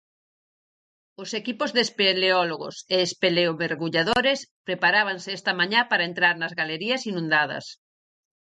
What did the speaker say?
Os equipos de espeleólogos e espeleomergulladores preparábanse esta mañá para entrar nas galerías inundadas.